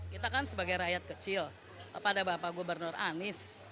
kita kan sebagai rakyat kecil kepada bapak gubernur anies